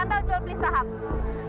mari kita saksikan